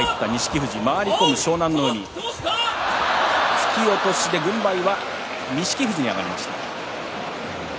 突き落としで軍配は錦富士に上がりました。